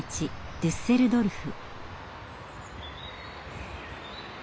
デュッセルドルフ。